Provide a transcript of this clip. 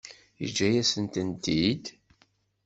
Yeǧǧa-yasent-ten-id?